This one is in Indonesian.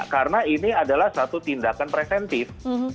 karena ini adalah satu tindakan presentif